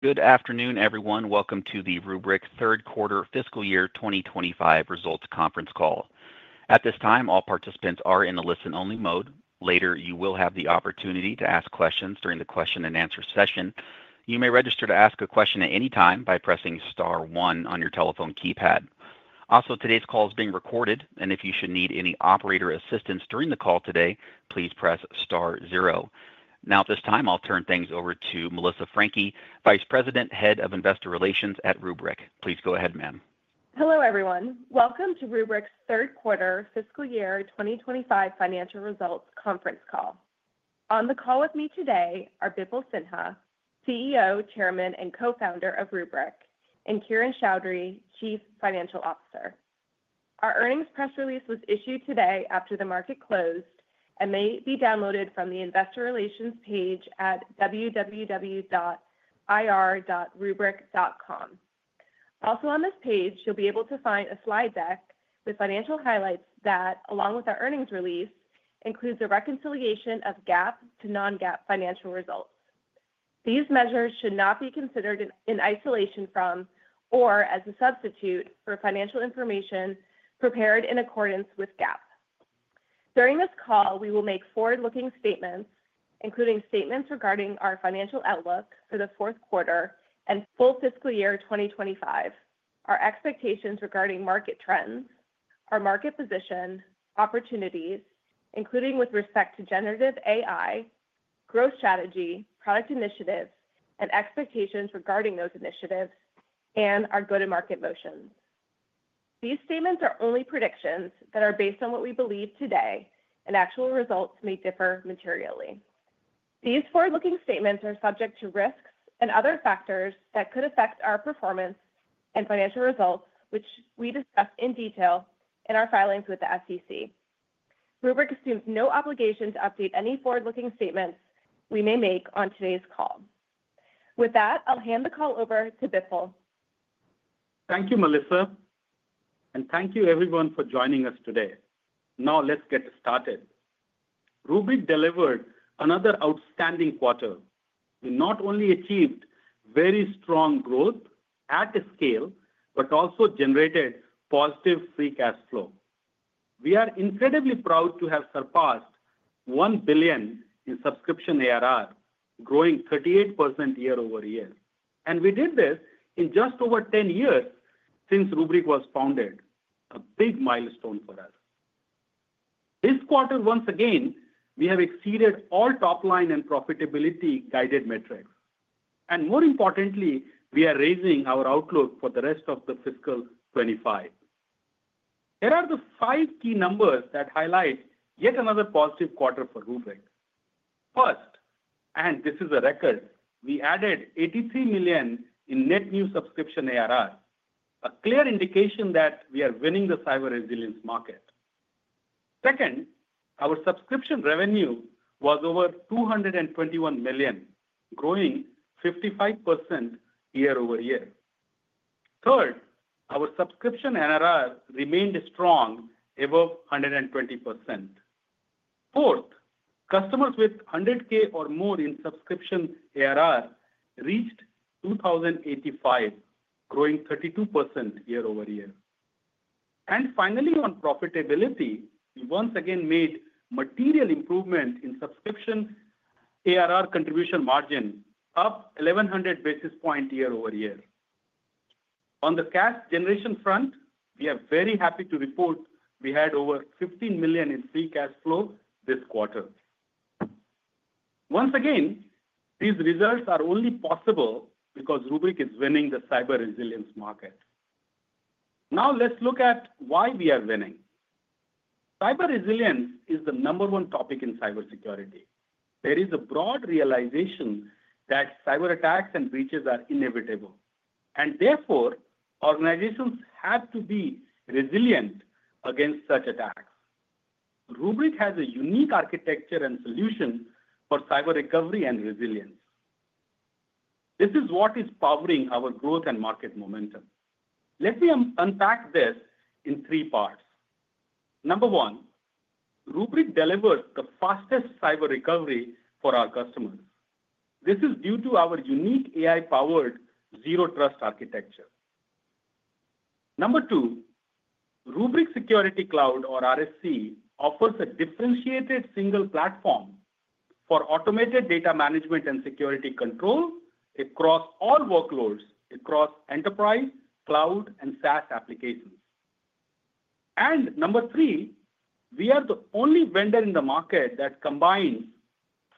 Good afternoon, everyone. Welcome to the Rubrik Third Quarter Fiscal Year 2025 Results Conference Call. At this time, all participants are in the listen-only mode. Later, you will have the opportunity to ask questions during the question-and-answer session. You may register to ask a question at any time by pressing star one on your telephone keypad. Also, today's call is being recorded, and if you should need any operator assistance during the call today, please press star zero. Now, at this time, I'll turn things over to Melissa Franchi, Vice President, Head of Investor Relations at Rubrik. Please go ahead, ma'am. Hello, everyone. Welcome to Rubrik's Third Quarter Fiscal Year 2025 Financial Results Conference Call. On the call with me today are Bipul Sinha, CEO, Chairman, and Co-Founder of Rubrik, and Kiran Choudhary., Chief Financial Officer. Our earnings press release was issued today after the market closed and may be downloaded from the Investor Relations page at www.ir.rubrik.com. Also, on this page, you'll be able to find a slide deck with financial highlights that, along with our earnings release, includes a reconciliation of GAAP to non-GAAP financial results. These measures should not be considered in isolation from or as a substitute for financial information prepared in accordance with GAAP. During this call, we will make forward-looking statements, including statements regarding our financial outlook for the fourth quarter and full fiscal year 2025, our expectations regarding market trends, our market position, opportunities, including with respect to generative AI, growth strategy, product initiatives, and expectations regarding those initiatives, and our go-to-market motions. These statements are only predictions that are based on what we believe today, and actual results may differ materially. These forward-looking statements are subject to risks and other factors that could affect our performance and financial results, which we discussed in detail in our filings with the SEC. Rubrik assumes no obligation to update any forward-looking statements we may make on today's call. With that, I'll hand the call over to Bipul. Thank you, Melissa, and thank you, everyone, for joining us today. Now, let's get started. Rubrik delivered another outstanding quarter. We not only achieved very strong growth at a scale, but also generated positive free cash flow. We are incredibly proud to have surpassed $1 billion in subscription ARR, growing 38% year over year. And we did this in just over 10 years since Rubrik was founded, a big milestone for us. This quarter, once again, we have exceeded all top-line and profitability-guided metrics. And more importantly, we are raising our outlook for the rest of the fiscal 2025. Here are the five key numbers that highlight yet another positive quarter for Rubrik. First, and this is a record, we added $83 million in net new subscription ARR, a clear indication that we are winning the cyber resilience market. Second, our subscription revenue was over $221 million, growing 55% year over year. Third, our subscription NRR remained strong, above 120%. Fourth, customers with $100K or more in subscription ARR reached 2,085, growing 32% year over year. And finally, on profitability, we once again made material improvements in subscription ARR contribution margin, up 1,100 basis points year over year. On the cash generation front, we are very happy to report we had over $15 million in free cash flow this quarter. Once again, these results are only possible because Rubrik is winning the cyber resilience market. Now, let's look at why we are winning. Cyber resilience is the number one topic in cybersecurity. There is a broad realization that cyber attacks and breaches are inevitable, and therefore, organizations have to be resilient against such attacks. Rubrik has a unique architecture and solution for cyber recovery and resilience. This is what is powering our growth and market momentum. Let me unpack this in three parts. Number one, Rubrik delivers the fastest cyber recovery for our customers. This is due to our unique AI-powered zero-trust architecture. Number two, Rubrik Security Cloud, or RSC, offers a differentiated single platform for automated data management and security control across all workloads across enterprise, cloud, and SaaS applications. And number three, we are the only vendor in the market that combines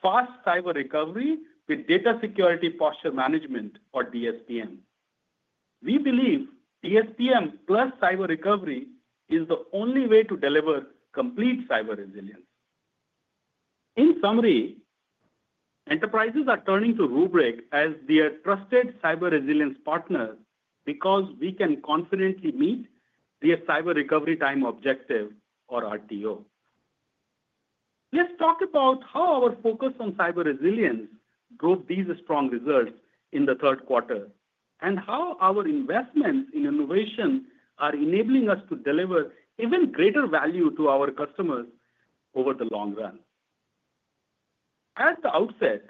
fast cyber recovery with data security posture management, or DSPM. We believe DSPM plus cyber recovery is the only way to deliver complete cyber resilience. In summary, enterprises are turning to Rubrik as their trusted cyber resilience partner because we can confidently meet their cyber recovery time objective, or RTO. Let's talk about how our focus on cyber resilience drove these strong results in the third quarter and how our investments in innovation are enabling us to deliver even greater value to our customers over the long run. At the outset,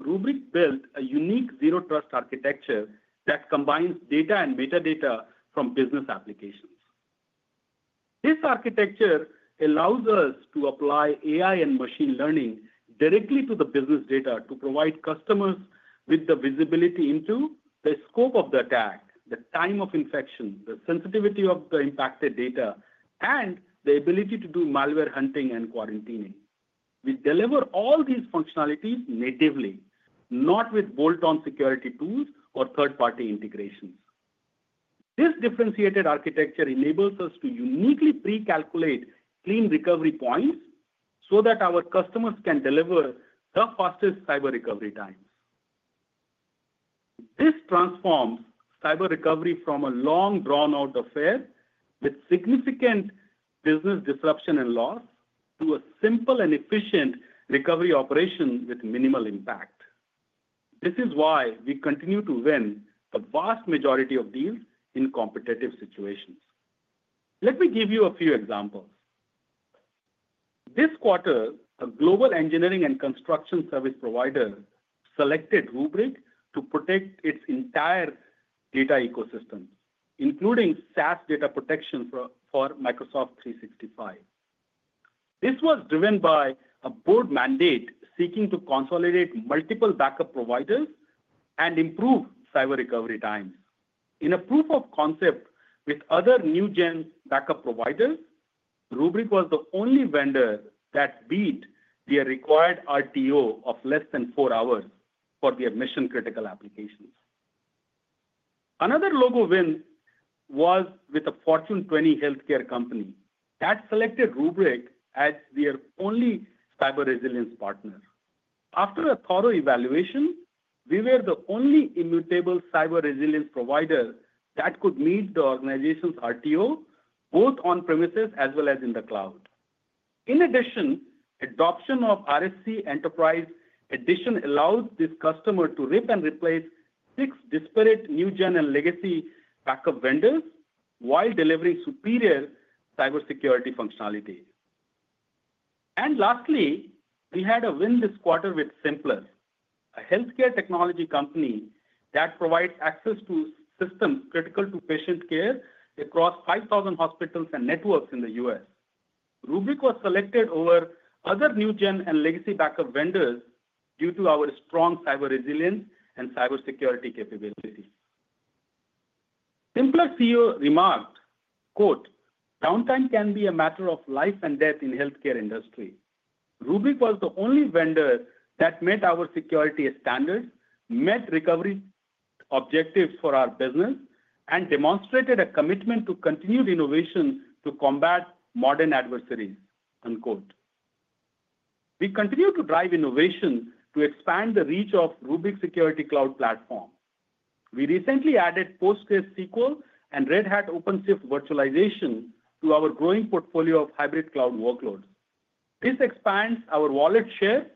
Rubrik built a unique zero-trust architecture that combines data and metadata from business applications. This architecture allows us to apply AI and machine learning directly to the business data to provide customers with the visibility into the scope of the attack, the time of infection, the sensitivity of the impacted data, and the ability to do malware hunting and quarantining. We deliver all these functionalities natively, not with bolt-on security tools or third-party integrations. This differentiated architecture enables us to uniquely pre-calculate clean recovery points so that our customers can deliver the fastest cyber recovery times. This transforms cyber recovery from a long, drawn-out affair with significant business disruption and loss to a simple and efficient recovery operation with minimal impact. This is why we continue to win the vast majority of deals in competitive situations. Let me give you a few examples. This quarter, a global engineering and construction service provider selected Rubrik to protect its entire data ecosystem, including SaaS data protection for Microsoft 365. This was driven by a board mandate seeking to consolidate multiple backup providers and improve cyber recovery times. In a proof of concept with other new-gen backup providers, Rubrik was the only vendor that beat their required RTO of less than four hours for their mission-critical applications. Another logo win was with a Fortune 20 healthcare company that selected Rubrik as their only cyber resilience partner. After a thorough evaluation, we were the only immutable cyber resilience provider that could meet the organization's RTO, both on-premises as well as in the cloud. In addition, adoption of RSC Enterprise Edition allowed this customer to rip and replace six disparate new-gen and legacy backup vendors while delivering superior cybersecurity functionality. And lastly, we had a win this quarter with symplr, a healthcare technology company that provides access to systems critical to patient care across 5,000 hospitals and networks in the U.S. Rubrik was selected over other new-gen and legacy backup vendors due to our strong cyber resilience and cybersecurity capabilities. symplr CEO remarked, "Downtime can be a matter of life and death in the healthcare industry. Rubrik was the only vendor that met our security standards, met recovery objectives for our business, and demonstrated a commitment to continued innovation to combat modern adversaries." We continue to drive innovation to expand the reach of Rubrik Security Cloud Platform. We recently added PostgreSQL and Red Hat OpenShift virtualization to our growing portfolio of hybrid cloud workloads. This expands our wallet share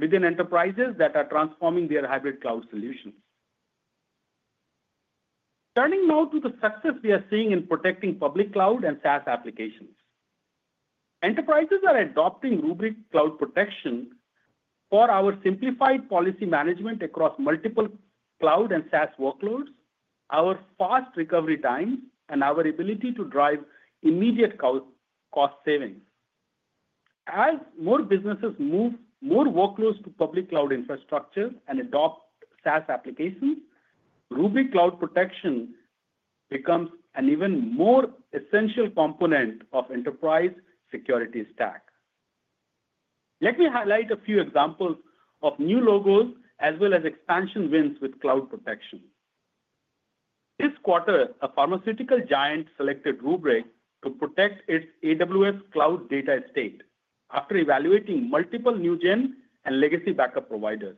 within enterprises that are transforming their hybrid cloud solutions. Turning now to the success we are seeing in protecting public cloud and SaaS applications. Enterprises are adopting Rubrik Cloud Protection for our simplified policy management across multiple cloud and SaaS workloads, our fast recovery times, and our ability to drive immediate cost savings. As more businesses move more workloads to public cloud infrastructure and adopt SaaS applications, Rubrik Cloud Protection becomes an even more essential component of the enterprise security stack. Let me highlight a few examples of new logos as well as expansion wins with cloud protection. This quarter, a pharmaceutical giant selected Rubrik to protect its AWS cloud data estate after evaluating multiple new-gen and legacy backup providers.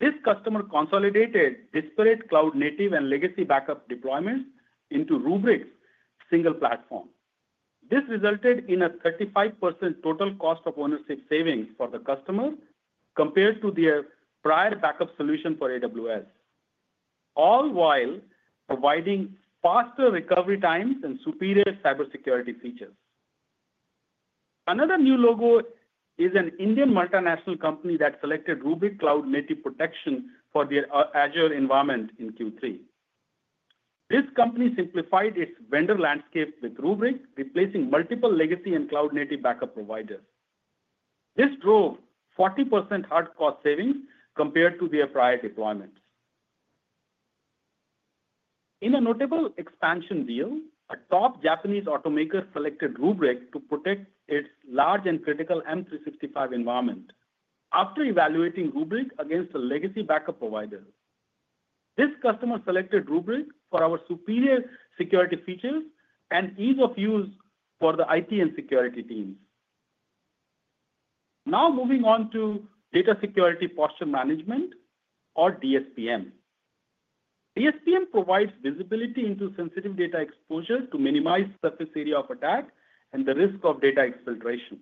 This customer consolidated disparate cloud-native and legacy backup deployments into Rubrik's single platform. This resulted in a 35% total cost of ownership savings for the customer compared to their prior backup solution for AWS, all while providing faster recovery times and superior cybersecurity features. Another new logo is an Indian multinational company that selected Rubrik Cloud Native Protection for their Azure environment in Q3. This company simplified its vendor landscape with Rubrik, replacing multiple legacy and cloud-native backup providers. This drove 40% hard cost savings compared to their prior deployments. In a notable expansion deal, a top Japanese automaker selected Rubrik to protect its large and critical M365 environment after evaluating Rubrik against a legacy backup provider. This customer selected Rubrik for our superior security features and ease of use for the IT and security teams. Now, moving on to data security posture management, or DSPM. DSPM provides visibility into sensitive data exposure to minimize surface area of attack and the risk of data exfiltration.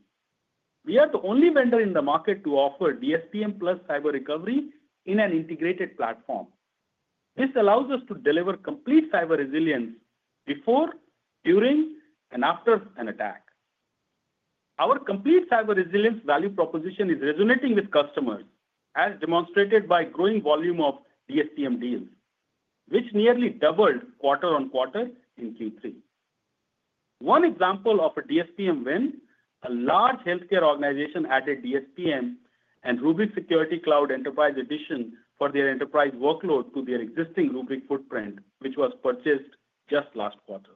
We are the only vendor in the market to offer DSPM plus cyber recovery in an integrated platform. This allows us to deliver complete cyber resilience before, during, and after an attack. Our complete cyber resilience value proposition is resonating with customers, as demonstrated by the growing volume of DSPM deals, which nearly doubled quarter on quarter in Q3. One example of a DSPM win: a large healthcare organization added DSPM and Rubrik Security Cloud Enterprise Edition for their enterprise workload to their existing Rubrik footprint, which was purchased just last quarter.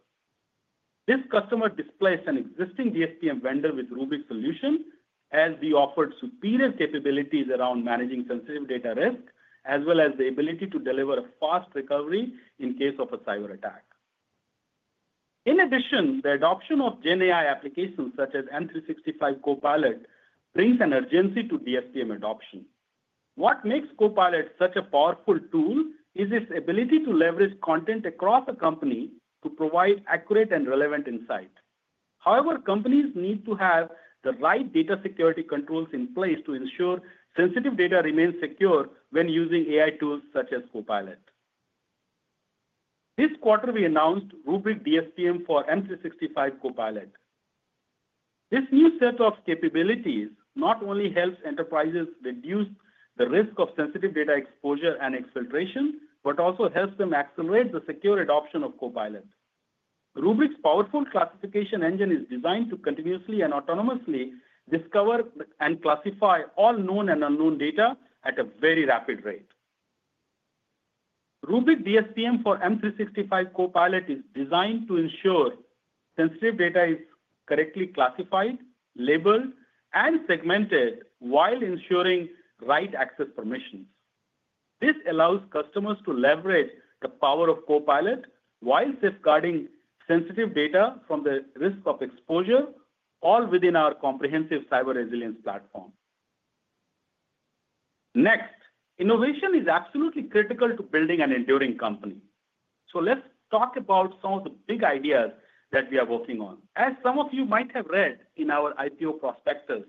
This customer displaced an existing DSPM vendor with Rubrik solution, as we offered superior capabilities around managing sensitive data risk, as well as the ability to deliver a fast recovery in case of a cyber attack. In addition, the adoption of GenAI applications such as M365 Copilot brings an urgency to DSPM adoption. What makes Copilot such a powerful tool is its ability to leverage content across a company to provide accurate and relevant insight. However, companies need to have the right data security controls in place to ensure sensitive data remains secure when using AI tools such as Copilot. This quarter, we announced Rubrik DSPM for M365 Copilot. This new set of capabilities not only helps enterprises reduce the risk of sensitive data exposure and exfiltration, but also helps them accelerate the secure adoption of Copilot. Rubrik's powerful classification engine is designed to continuously and autonomously discover and classify all known and unknown data at a very rapid rate. Rubrik DSPM for M365 Copilot is designed to ensure sensitive data is correctly classified, labeled, and segmented while ensuring right access permissions. This allows customers to leverage the power of Copilot while safeguarding sensitive data from the risk of exposure, all within our comprehensive cyber resilience platform. Next, innovation is absolutely critical to building an enduring company. So let's talk about some of the big ideas that we are working on. As some of you might have read in our IPO prospectus,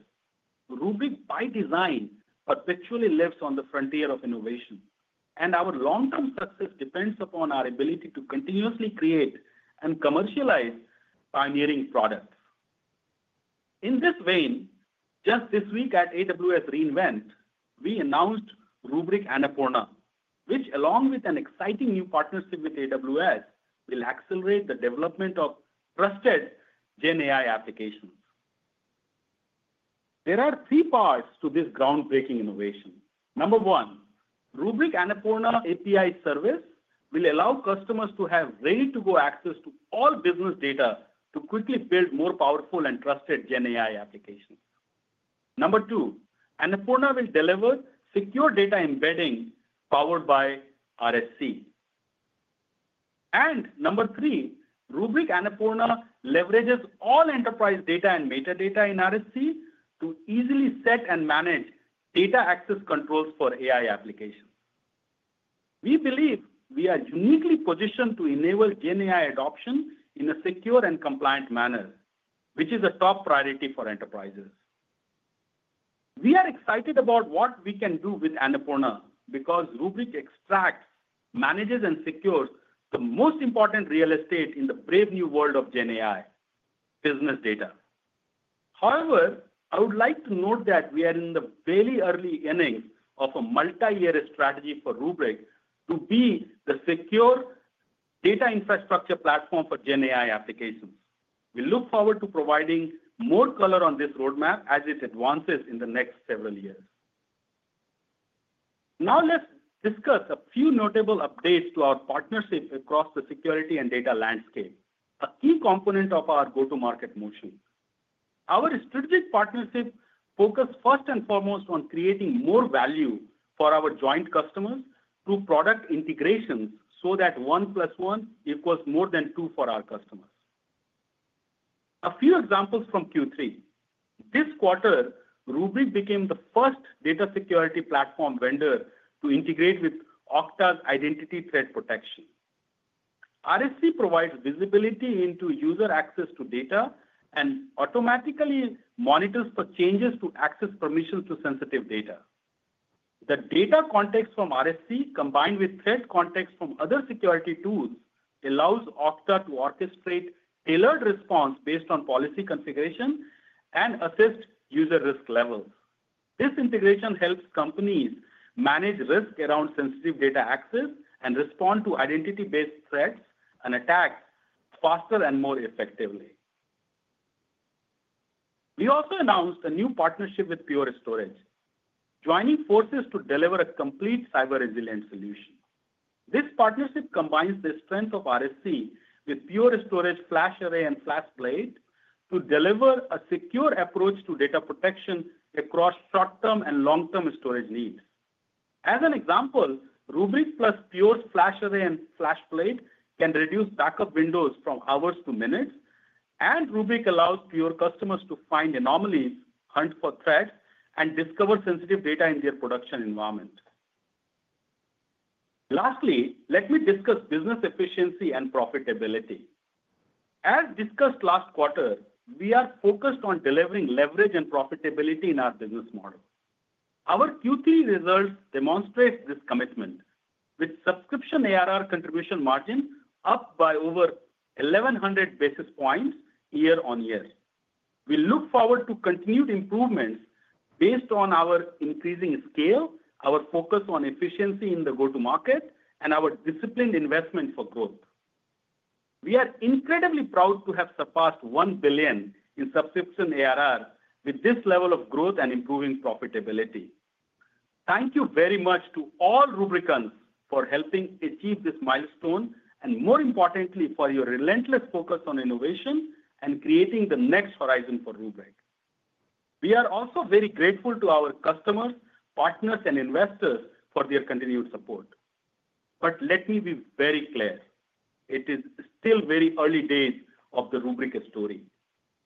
Rubrik by design perpetually lives on the frontier of innovation, and our long-term success depends upon our ability to continuously create and commercialize pioneering products. In this vein, just this week at AWS re:Invent, we announced Rubrik Annapurna, which, along with an exciting new partnership with AWS, will accelerate the development of trusted GenAI applications. There are three parts to this groundbreaking innovation: Number one, Rubrik Annapurna API service will allow customers to have ready-to-go access to all business data to quickly build more powerful and trusted GenAI applications. Number two, Annapurna will deliver secure data embedding powered by RSC, and number three, Rubrik Annapurna leverages all enterprise data and metadata in RSC to easily set and manage data access controls for AI applications. We believe we are uniquely positioned to enable GenAI adoption in a secure and compliant manner, which is a top priority for enterprises. We are excited about what we can do with Annapurna because Rubrik extracts, manages, and secures the most important real estate in the brave new world of GenAI: business data. However, I would like to note that we are in the very early innings of a multi-year strategy for Rubrik to be the secure data infrastructure platform for GenAI applications. We look forward to providing more color on this roadmap as it advances in the next several years. Now, let's discuss a few notable updates to our partnership across the security and data landscape, a key component of our go-to-market motion. Our strategic partnership focuses first and foremost on creating more value for our joint customers through product integrations so that one plus one equals more than two for our customers. A few examples from Q3. This quarter, Rubrik became the first data security platform vendor to integrate with Okta's Identity Threat Protection. RSC provides visibility into user access to data and automatically monitors the changes to access permissions to sensitive data. The data context from RSC, combined with threat context from other security tools, allows Okta to orchestrate tailored response based on policy configuration and assessed user risk levels. This integration helps companies manage risk around sensitive data access and respond to identity-based threats and attacks faster and more effectively. We also announced a new partnership with Pure Storage, joining forces to deliver a complete cyber resilience solution. This partnership combines the strength of RSC with Pure Storage FlashArray and FlashBlade to deliver a secure approach to data protection across short-term and long-term storage needs. As an example, Rubrik plus Pure FlashArray and FlashBlade can reduce backup windows from hours to minutes, and Rubrik allows Pure customers to find anomalies, hunt for threats, and discover sensitive data in their production environment. Lastly, let me discuss business efficiency and profitability. As discussed last quarter, we are focused on delivering leverage and profitability in our business model. Our Q3 results demonstrate this commitment, with subscription ARR contribution margin up by over 1,100 basis points year on year. We look forward to continued improvements based on our increasing scale, our focus on efficiency in the go-to-market, and our disciplined investment for growth. We are incredibly proud to have surpassed $1 billion in subscription ARR with this level of growth and improving profitability. Thank you very much to all Rubrikans for helping achieve this milestone, and more importantly, for your relentless focus on innovation and creating the next horizon for Rubrik. We are also very grateful to our customers, partners, and investors for their continued support. But let me be very clear. It is still very early days of the Rubrik story.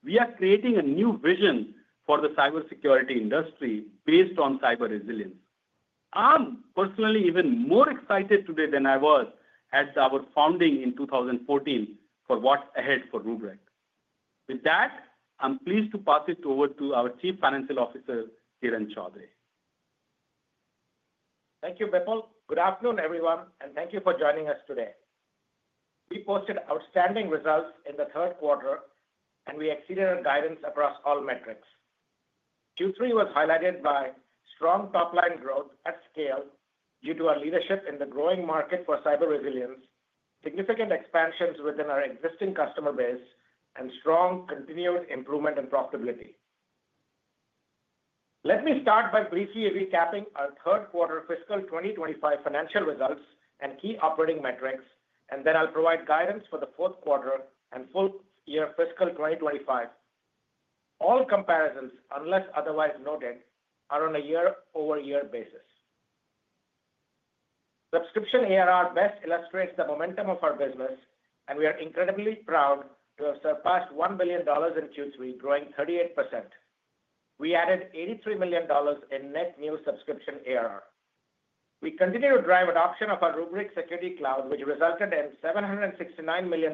We are creating a new vision for the cybersecurity industry based on cyber resilience. I'm personally even more excited today than I was at our founding in 2014 for what's ahead for Rubrik. With that, I'm pleased to pass it over to our Chief Financial Officer, Kiran Choudhary.. Thank you, Bipul. Good afternoon, everyone, and thank you for joining us today. We posted outstanding results in the third quarter, and we exceeded our guidance across all metrics. Q3 was highlighted by strong top-line growth at scale due to our leadership in the growing market for cyber resilience, significant expansions within our existing customer base, and strong continued improvement in profitability. Let me start by briefly recapping our third quarter fiscal 2025 financial results and key operating metrics, and then I'll provide guidance for the fourth quarter and full year fiscal 2025. All comparisons, unless otherwise noted, are on a year-over-year basis. Subscription ARR best illustrates the momentum of our business, and we are incredibly proud to have surpassed $1 billion in Q3, growing 38%. We added $83 million in net new subscription ARR. We continue to drive adoption of our Rubrik Security Cloud, which resulted in $769 million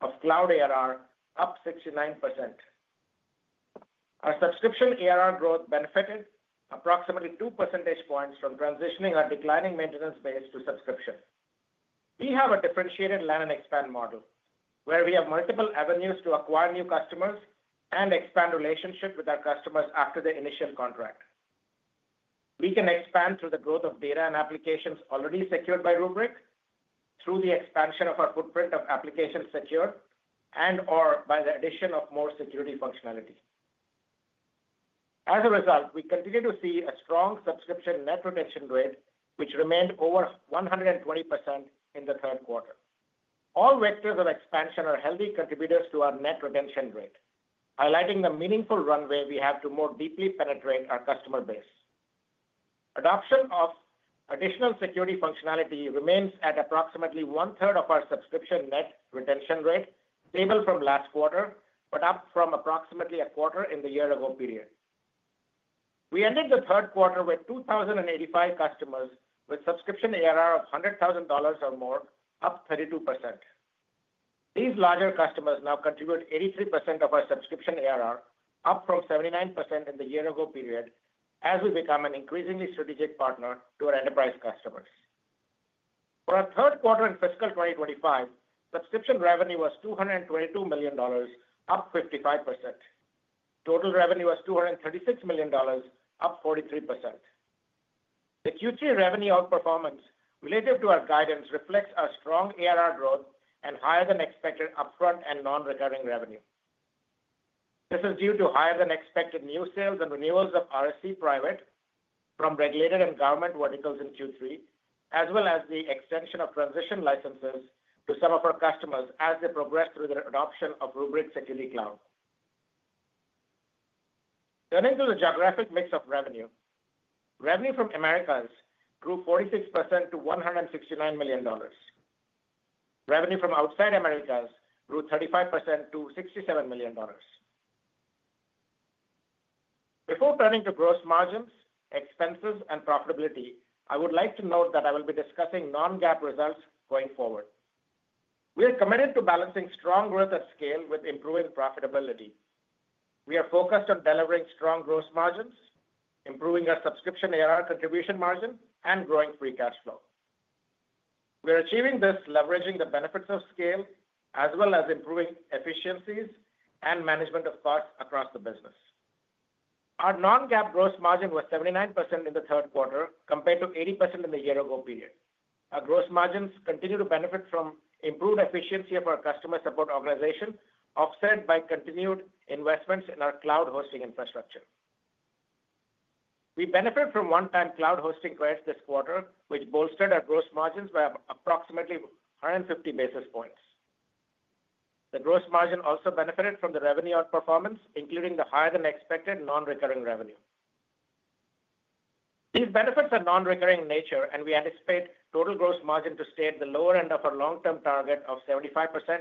of cloud ARR, up 69%. Our subscription ARR growth benefited approximately 2 percentage points from transitioning our declining maintenance base to subscription. We have a differentiated land and expand model, where we have multiple avenues to acquire new customers and expand relationships with our customers after the initial contract. We can expand through the growth of data and applications already secured by Rubrik, through the expansion of our footprint of applications secured, and/or by the addition of more security functionality. As a result, we continue to see a strong subscription net retention rate, which remained over 120% in the third quarter. All vectors of expansion are healthy contributors to our net retention rate, highlighting the meaningful runway we have to more deeply penetrate our customer base. Adoption of additional security functionality remains at approximately one-third of our subscription net retention rate, stable from last quarter, but up from approximately a quarter in the year-ago period. We ended the third quarter with 2,085 customers with subscription ARR of $100,000 or more, up 32%. These larger customers now contribute 83% of our subscription ARR, up from 79% in the year-ago period, as we become an increasingly strategic partner to our enterprise customers. For our third quarter in fiscal 2025, subscription revenue was $222 million, up 55%. Total revenue was $236 million, up 43%. The Q3 revenue outperformance related to our guidance reflects our strong ARR growth and higher-than-expected upfront and non-recurring revenue. This is due to higher-than-expected new sales and renewals of RSC Enterprise from regulated and government verticals in Q3, as well as the extension of transition licenses to some of our customers as they progress through the adoption of Rubrik Security Cloud. Turning to the geographic mix of revenue, revenue from Americas grew 46% to $169 million. Revenue from outside Americas grew 35% to $67 million. Before turning to gross margins, expenses, and profitability, I would like to note that I will be discussing non-GAAP results going forward. We are committed to balancing strong growth at scale with improving profitability. We are focused on delivering strong gross margins, improving our subscription ARR contribution margin, and growing free cash flow. We are achieving this leveraging the benefits of scale, as well as improving efficiencies and management of costs across the business. Our non-GAAP gross margin was 79% in the third quarter compared to 80% in the year-ago period. Our gross margins continue to benefit from improved efficiency of our customer support organization, offset by continued investments in our cloud hosting infrastructure. We benefited from one-time cloud hosting credits this quarter, which bolstered our gross margins by approximately 150 basis points. The gross margin also benefited from the revenue outperformance, including the higher-than-expected non-recurring revenue. These benefits are non-recurring in nature, and we anticipate total gross margin to stay at the lower end of our long-term target of 75%-80%.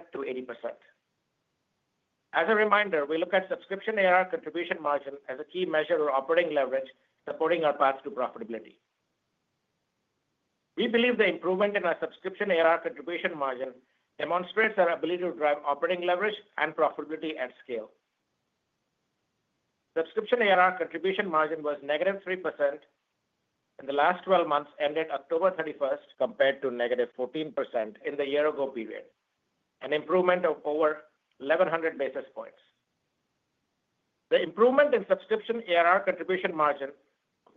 As a reminder, we look at subscription ARR contribution margin as a key measure of operating leverage supporting our path to profitability. We believe the improvement in our subscription ARR contribution margin demonstrates our ability to drive operating leverage and profitability at scale. Subscription ARR contribution margin was negative 3% in the last 12 months, ended October 31. Compared to negative 14% in the year-ago period, an improvement of over 1,100 basis points. The improvement in subscription ARR contribution margin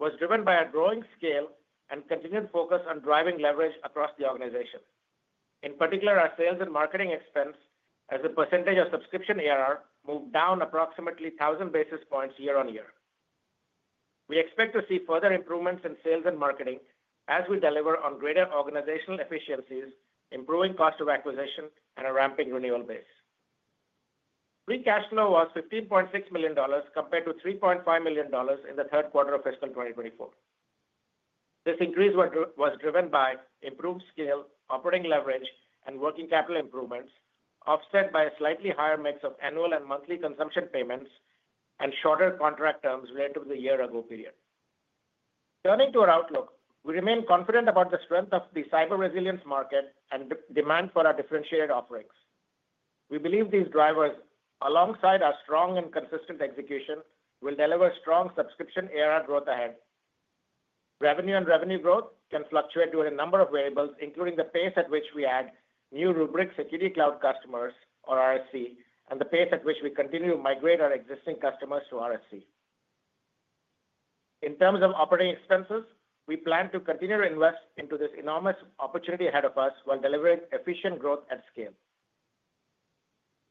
was driven by our growing scale and continued focus on driving leverage across the organization. In particular, our sales and marketing expense, as the percentage of subscription ARR, moved down approximately 1,000 basis points year-on-year. We expect to see further improvements in sales and marketing as we deliver on greater organizational efficiencies, improving cost of acquisition, and a ramping renewal base. Free cash flow was $15.6 million compared to $3.5 million in the third quarter of fiscal 2024. This increase was driven by improved scale, operating leverage, and working capital improvements, offset by a slightly higher mix of annual and monthly consumption payments and shorter contract terms related to the year-ago period. Turning to our outlook, we remain confident about the strength of the cyber resilience market and demand for our differentiated offerings. We believe these drivers, alongside our strong and consistent execution, will deliver strong subscription ARR growth ahead. Revenue and revenue growth can fluctuate due to a number of variables, including the pace at which we add new Rubrik Security Cloud customers, or RSC, and the pace at which we continue to migrate our existing customers to RSC. In terms of operating expenses, we plan to continue to invest into this enormous opportunity ahead of us while delivering efficient growth at scale.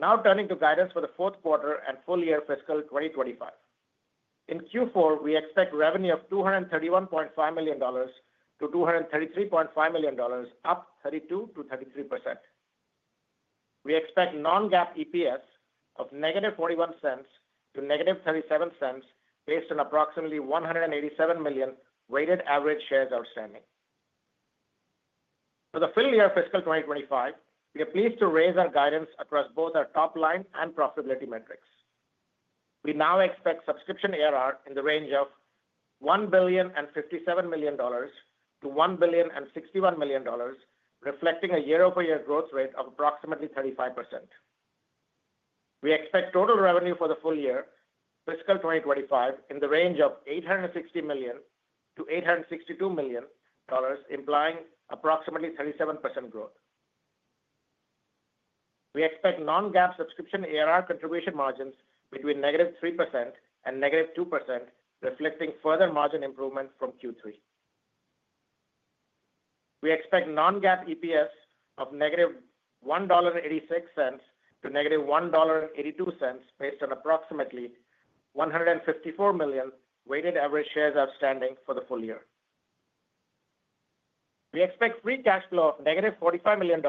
Now, turning to guidance for the fourth quarter and full year fiscal 2025. In Q4, we expect revenue of $231.5 million-$233.5 million, up 32%-33%. We expect non-GAAP EPS of negative $0.41 to negative $0.37 based on approximately 187 million weighted average shares outstanding. For the full year fiscal 2025, we are pleased to raise our guidance across both our top-line and profitability metrics. We now expect subscription ARR in the range of $1 billion and $57 million to $1 billion and $61 million, reflecting a year-over-year growth rate of approximately 35%. We expect total revenue for the full year fiscal 2025 in the range of $860 million-$862 million, implying approximately 37% growth. We expect non-GAAP subscription ARR contribution margins between negative 3% and negative 2%, reflecting further margin improvement from Q3. We expect non-GAAP EPS of negative $1.86 to negative $1.82 based on approximately 154 million weighted average shares outstanding for the full year. We expect free cash flow of -$45 million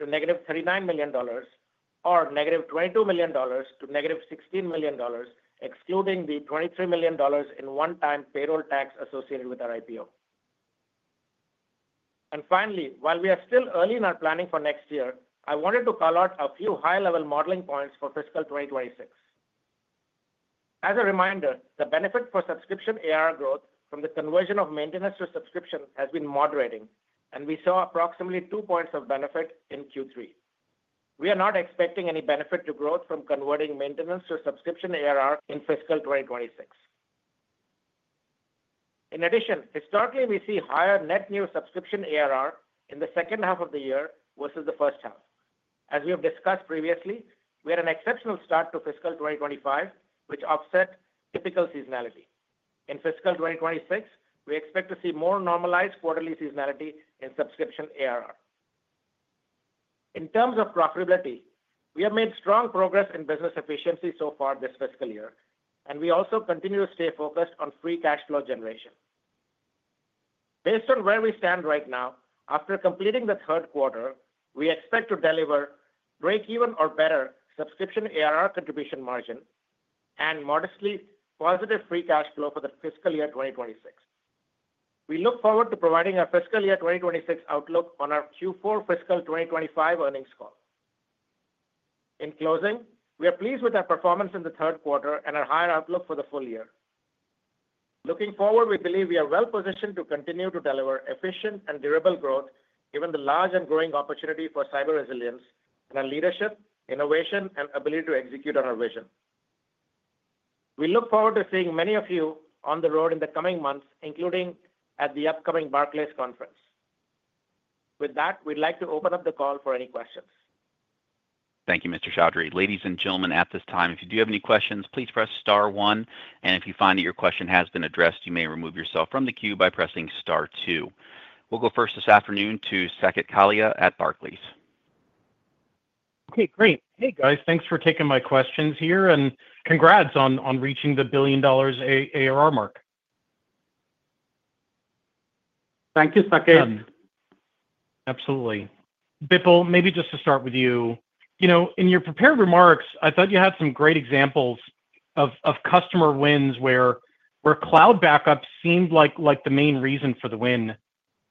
to -$39 million, or -$22 million to -$16 million, excluding the $23 million in one-time payroll tax associated with our IPO. Finally, while we are still early in our planning for next year, I wanted to call out a few high-level modeling points for fiscal 2026. As a reminder, the benefit for subscription ARR growth from the conversion of maintenance to subscription has been moderating, and we saw approximately two points of benefit in Q3. We are not expecting any benefit to growth from converting maintenance to subscription ARR in fiscal 2026. In addition, historically, we see higher net new subscription ARR in the second half of the year versus the first half. As we have discussed previously, we had an exceptional start to fiscal 2025, which offset typical seasonality. In fiscal 2026, we expect to see more normalized quarterly seasonality in subscription ARR. In terms of profitability, we have made strong progress in business efficiency so far this fiscal year, and we also continue to stay focused on free cash flow generation. Based on where we stand right now, after completing the third quarter, we expect to deliver break-even or better subscription ARR contribution margin and modestly positive free cash flow for the fiscal year 2026. We look forward to providing our fiscal year 2026 outlook on our Q4 fiscal 2025 earnings call. In closing, we are pleased with our performance in the third quarter and our higher outlook for the full year. Looking forward, we believe we are well-positioned to continue to deliver efficient and durable growth, given the large and growing opportunity for cyber resilience and our leadership, innovation, and ability to execute on our vision. We look forward to seeing many of you on the road in the coming months, including at the upcoming Barclays Conference. With that, we'd like to open up the call for any questions. Thank you, Mr. Choudhary.. Ladies and gentlemen, at this time, if you do have any questions, please press star one. And if you find that your question has been addressed, you may remove yourself from the queue by pressing star two. We'll go first this afternoon to Saket Kalia at Barclays. Okay, great. Hey, guys. Thanks for taking my questions here, and congrats on reaching the $1 billion ARR mark. Thank you, Saket. Absolutely. Bipul, maybe just to start with you, in your prepared remarks, I thought you had some great examples of customer wins where cloud backup seemed like the main reason for the win.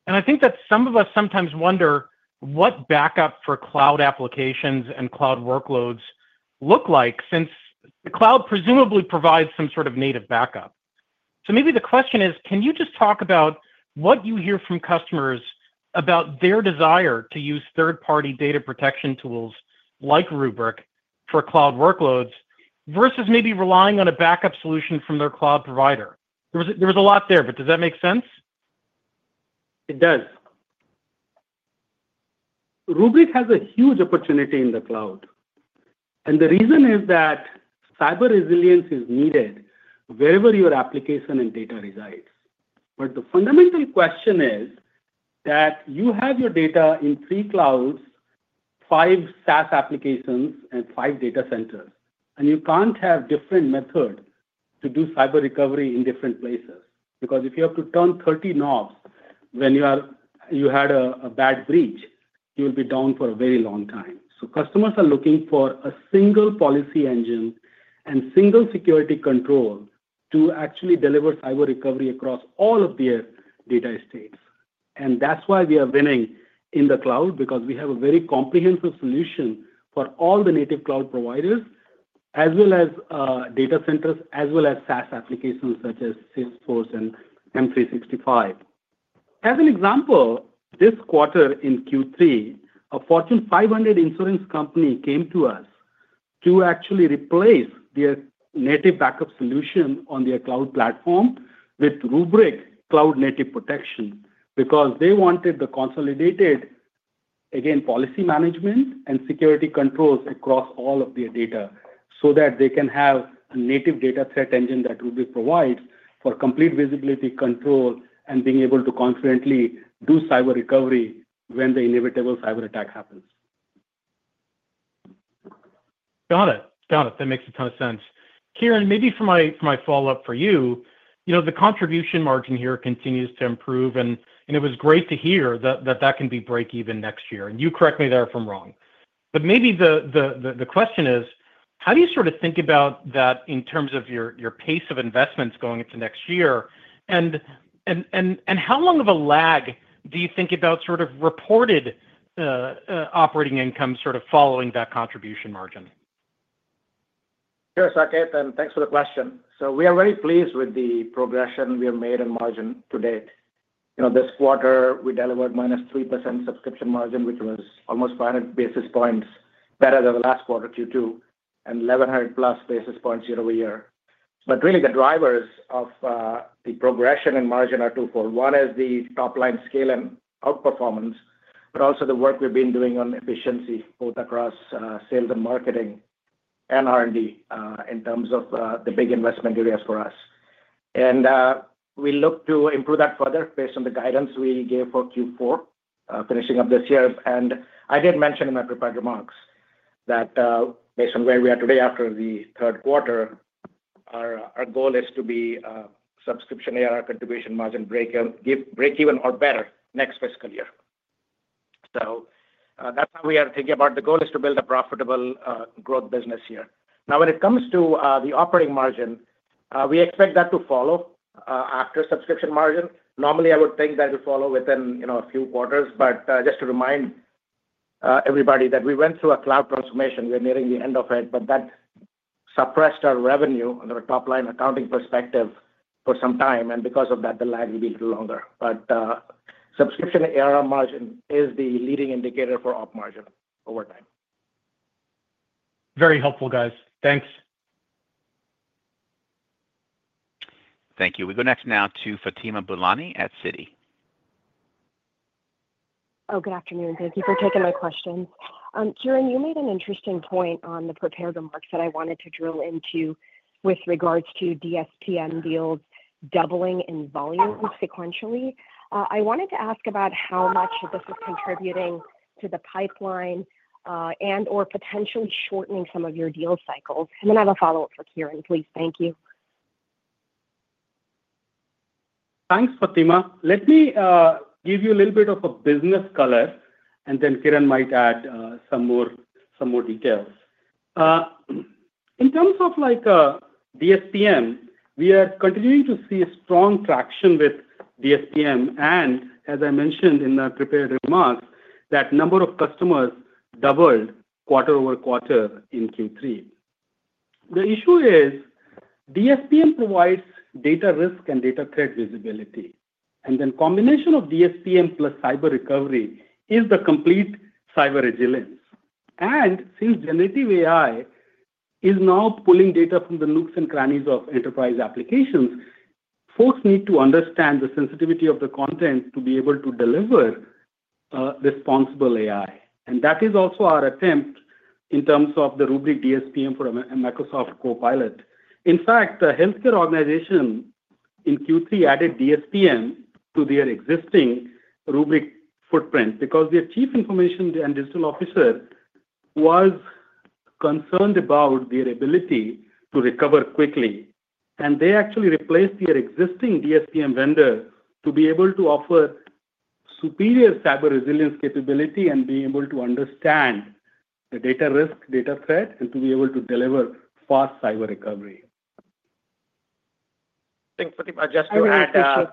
I think that some of us sometimes wonder what backup for cloud applications and cloud workloads look like, since the cloud presumably provides some sort of native backup. Maybe the question is, can you just talk about what you hear from customers about their desire to use third-party data protection tools like Rubrik for cloud workloads versus maybe relying on a backup solution from their cloud provider? There was a lot there, but does that make sense? It does. Rubrik has a huge opportunity in the cloud. The reason is that cyber resilience is needed wherever your application and data resides. The fundamental question is that you have your data in three clouds, five SaaS applications, and five data centers, and you can't have different methods to do cyber recovery in different places. Because if you have to turn 30 knobs when you had a bad breach, you will be down for a very long time. So customers are looking for a single policy engine and single security control to actually deliver cyber recovery across all of their data estates. And that's why we are winning in the cloud, because we have a very comprehensive solution for all the native cloud providers, as well as data centers, as well as SaaS applications such as Salesforce and M365. As an example, this quarter in Q3, a Fortune 500 insurance company came to us to actually replace their native backup solution on their cloud platform with Rubrik Cloud Native Protection, because they wanted the consolidated, again, policy management and security controls across all of their data so that they can have a native data threat engine that Rubrik provides for complete visibility control and being able to confidently do cyber recovery when the inevitable cyber attack happens. Got it. Got it. That makes a ton of sense. Kiran, maybe for my follow-up for you, the contribution margin here continues to improve, and it was great to hear that that can be break-even next year, and you correct me if I'm wrong, but maybe the question is, how do you sort of think about that in terms of your pace of investments going into next year? And how long of a lag do you think about sort of reported operating income sort of following that contribution margin? Sure, Saket, and thanks for the question. So we are very pleased with the progression we have made in margin to date. This quarter, we delivered -3% subscription margin, which was almost 500 basis points better than the last quarter, Q2, and 1,100 plus basis points year over year. But really, the drivers of the progression in margin are twofold. One is the top-line scale and outperformance, but also the work we've been doing on efficiency, both across sales and marketing and R&D in terms of the big investment areas for us. And we look to improve that further based on the guidance we gave for Q4, finishing up this year. And I did mention in my prepared remarks that based on where we are today after the third quarter, our goal is to be subscription ARR contribution margin break-even or better next fiscal year. So that's how we are thinking about the goal is to build a profitable growth business here. Now, when it comes to the operating margin, we expect that to follow after subscription margin. Normally, I would think that it will follow within a few quarters. But just to remind everybody that we went through a cloud transformation. We are nearing the end of it, but that suppressed our revenue on the top-line accounting perspective for some time. And because of that, the lag will be a little longer. But subscription ARR margin is the leading indicator for op margin over time. Very helpful, guys. Thanks. Thank you. We go next now to Fatima Boolani at Citi. Oh, good afternoon. Thank you for taking my questions. Kiran, you made an interesting point on the prepared remarks that I wanted to drill into with regards to DSPM deals doubling in volume sequentially. I wanted to ask about how much this is contributing to the pipeline and/or potentially shortening some of your deal cycles. And then I have a follow-up for Kiran, please. Thank you. Thanks, Fatima. Let me give you a little bit of a business color, and then Kiran might add some more details. In terms of DSPM, we are continuing to see strong traction with DSPM. And as I mentioned in the prepared remarks, that number of customers doubled quarter over quarter in Q3. The issue is DSPM provides data risk and data threat visibility. And then combination of DSPM plus cyber recovery is the complete cyber resilience. And since generative AI is now pulling data from the nooks and crannies of enterprise applications, folks need to understand the sensitivity of the content to be able to deliver responsible AI. And that is also our attempt in terms of the Rubrik DSPM for Microsoft Copilot. In fact, the healthcare organization in Q3 added DSPM to their existing Rubrik footprint because their Chief Information and Digital Officer was concerned about their ability to recover quickly. And they actually replaced their existing DSPM vendor to be able to offer superior cyber resilience capability and be able to understand the data risk, data threat, and to be able to deliver fast cyber recovery. Thanks, Fatima. Just to add,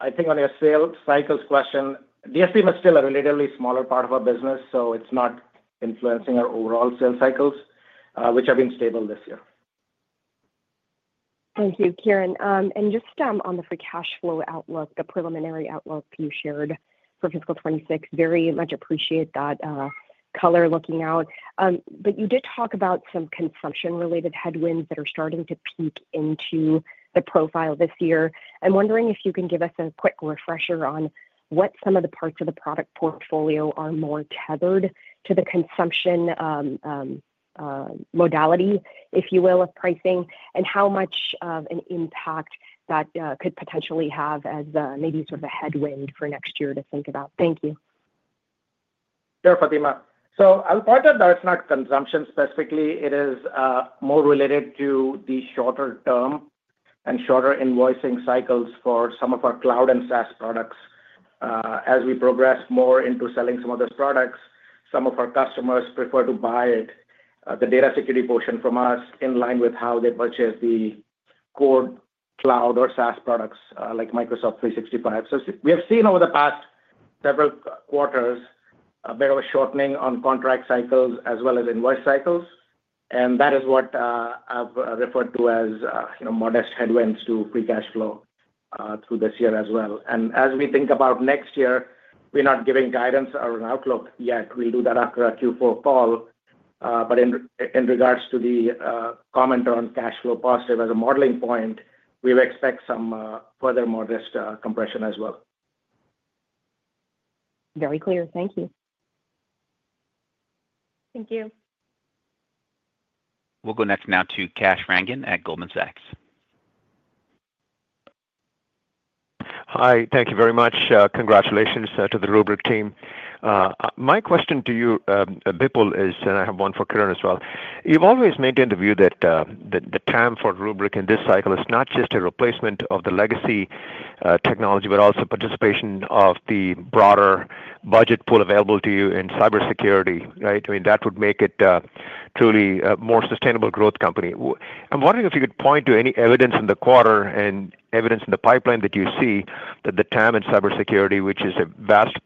I think on your sales cycles question, DSPM is still a relatively smaller part of our business, so it's not influencing our overall sales cycles, which have been stable this year. Thank you, Kiran. And just on the free cash flow outlook, the preliminary outlook you shared for fiscal 2026, very much appreciate that color looking out. But you did talk about some consumption-related headwinds that are starting to peak into the profile this year. I'm wondering if you can give us a quick refresher on what some of the parts of the product portfolio are more tethered to the consumption modality, if you will, of pricing, and how much of an impact that could potentially have as maybe sort of a headwind for next year to think about. Thank you. Sure, Fatima. So I'll try to address not consumption specifically. It is more related to the shorter term and shorter invoicing cycles for some of our cloud and SaaS products. As we progress more into selling some of those products, some of our customers prefer to buy the data security portion from us in line with how they purchase the core cloud or SaaS products like Microsoft 365. So we have seen over the past several quarters a bit of a shortening on contract cycles as well as invoice cycles. And that is what I've referred to as modest headwinds to free cash flow through this year as well. And as we think about next year, we're not giving guidance or an outlook yet. We'll do that after a Q4 call. But in regards to the comment on cash flow positive as a modeling point, we expect some further modest compression as well. Very clear. Thank you. Thank you. We'll go next now to Kash Rangan at Goldman Sachs. Hi. Thank you very much. Congratulations to the Rubrik team. My question to you, Bipul, is, and I have one for Kiran as well. You've always maintained the view that the TAM for Rubrik in this cycle is not just a replacement of the legacy technology, but also participation of the broader budget pool available to you in cybersecurity, right? I mean, that would make it truly a more sustainable growth company. I'm wondering if you could point to any evidence in the quarter and evidence in the pipeline that you see that the TAM and cybersecurity, which is a vast,